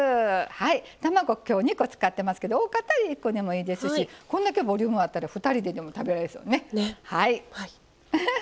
卵、今日２個使ってますけど多かったら１個でもいいですしこんなに多かったら２人ででも食べられそう。